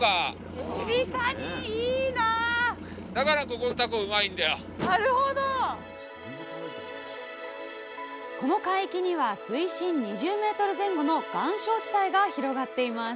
この海域には水深２０ｍ前後の岩礁地帯が広がっています。